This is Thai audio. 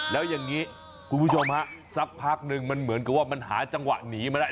แล้วอย่างนี้คุณผู้ชมฮะสักพักนึงมันเหมือนกับว่ามันหาจังหวะหนีมาได้